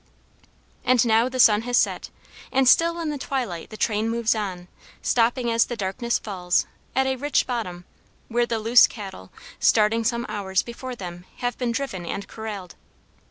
And now the sun has set, and still in the twilight the train moves on, stopping as the darkness falls, at a rich bottom, where the loose cattle, starting some hours before them, have been driven and corralled.